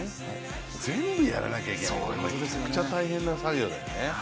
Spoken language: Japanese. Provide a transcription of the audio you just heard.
全部やらなくちゃいけないからめちゃくちゃ大変な作業だよね。